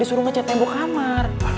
disuruh ngecat tembok kamar